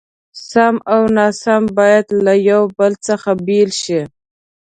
سم او ناسم بايد له يو بل څخه بېل شي.